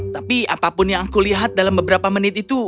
tapi apapun yang aku lihat dalam beberapa menit itu